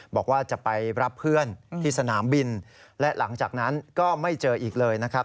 บอกว่าจะไปรับเพื่อนที่สนามบินและหลังจากนั้นก็ไม่เจออีกเลยนะครับ